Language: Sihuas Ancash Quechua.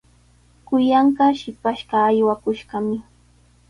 Kuyanqaa shipashqa aywakushqami.